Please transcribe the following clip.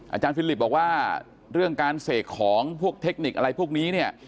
ฟิลิปบอกว่าเรื่องการเสกของพวกเทคนิคอะไรพวกนี้เนี่ย